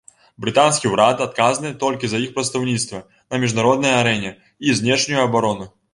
Брытанскі ўрад адказны толькі за іх прадстаўніцтва на міжнароднай арэне і знешнюю абарону.